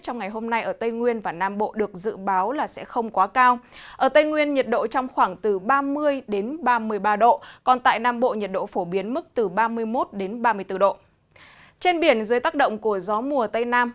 trong ngày hôm nay khu vực biển từ bình thuận trở vào đến cà mau cà mau đến kiên giang và gió giật mạnh